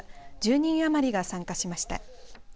１０人余りが参加しました。